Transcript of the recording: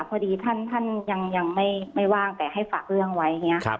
พอดีท่านยังไม่ว่างแต่ให้ฝากเรื่องไว้อย่างนี้